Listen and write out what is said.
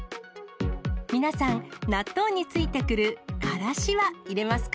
皆さん、納豆についてくるカラシは入れますか？